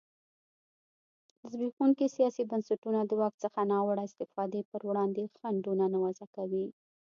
زبېښونکي سیاسي بنسټونه د واک څخه ناوړه استفادې پر وړاندې خنډونه نه وضعه کوي.